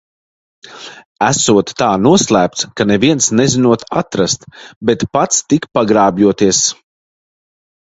Esot tā noslēpts, ka neviens nezinot atrast, bet pats tik pagrābjoties.